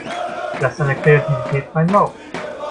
Lass deiner Kreativität freien Lauf.